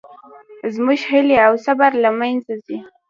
زموږ هیلې او صبر له منځه ځي